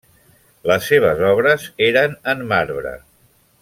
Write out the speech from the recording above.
Les seves obres eren en marbre.